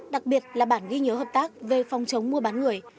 đặc biệt là bản ghi nhớ hợp tác về phòng chống mua bán người